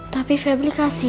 tapi feblik kasihan